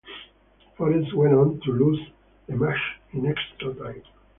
Forest went on to lose the match in extra time.